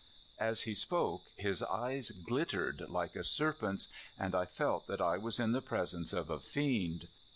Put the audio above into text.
" As he spoke his eye glittered like a serpent's, and I felt that I was in the presence of a fiend.